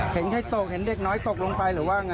เห็นใครตกเห็นเด็กน้อยตกลงไปหรือว่าไง